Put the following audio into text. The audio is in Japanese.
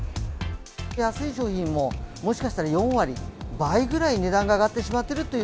安い商品も、もしかしたら４割、倍ぐらい値段が上がってしまっているという。